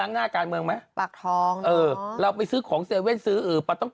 ล้างหน้าการเมืองมั้ยปากทองเราไปซื้อของเซเว่นซื้อปลาต้อง